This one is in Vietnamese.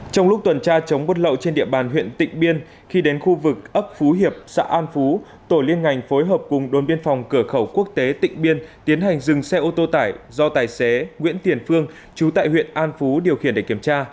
trong lúc tuần tra chống buôn lậu trên địa bàn huyện tịnh biên khi đến khu vực ấp phú hiệp xã an phú tổ liên ngành phối hợp cùng đồn biên phòng cửa khẩu quốc tế tịnh biên tiến hành dừng xe ô tô tải do tài xế nguyễn tiền phương trú tại huyện an phú điều khiển để kiểm tra